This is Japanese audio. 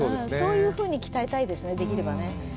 そういうふうに鍛えたいですね、できればね。